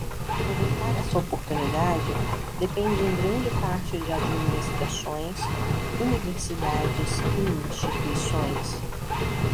Aproveitar essa oportunidade depende em grande parte de administrações, universidades e instituições.